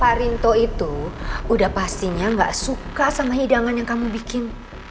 pak rinto itu udah pastinya gak suka sama hidangan yang kamu bikin